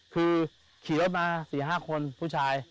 คือขี่รถมา๔๕คนผู้ชาย